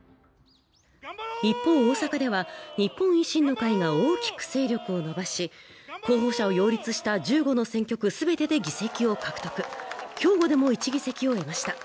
一方、大阪では日本維新の会が大きく勢力を伸ばし候補者を擁立した１５の選挙区、全てで議席を獲得、兵庫でも１議席をえました。